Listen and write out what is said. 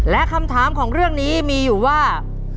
และคำถามของเรื่องนี้มีอยู่ว่า